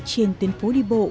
trên tuyến phố đi bộ